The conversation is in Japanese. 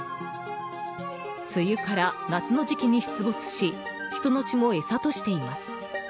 梅雨から夏の時期に出没し人の血も餌としています。